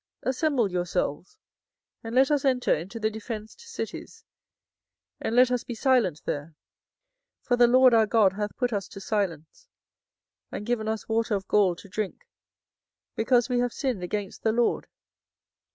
assemble yourselves, and let us enter into the defenced cities, and let us be silent there: for the LORD our God hath put us to silence, and given us water of gall to drink, because we have sinned against the LORD.